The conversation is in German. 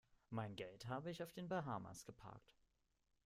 Mein Geld habe ich auf den Bahamas geparkt.